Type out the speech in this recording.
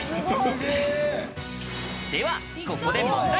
ではここで問題。